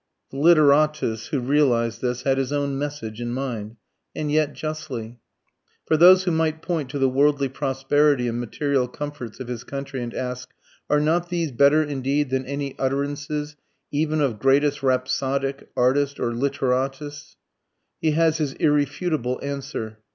The literatus who realized this had his own message in mind. And yet, justly. For those who might point to the worldly prosperity and material comforts of his country, and ask, Are not these better indeed than any utterances even of greatest rhapsodic, artist, or literatus? he has his irrefutable answer.